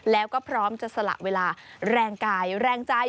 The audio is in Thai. แล้วก็พร้อมจะสละเวลาแรงกายแรงใจ